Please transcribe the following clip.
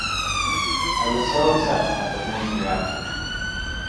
I was so upset at the fans' reaction.